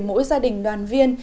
để mỗi gia đình đoàn viên